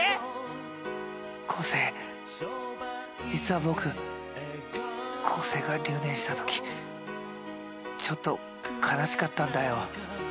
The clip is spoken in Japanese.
昴生実は僕昴生が留年した時ちょっと悲しかったんだよ。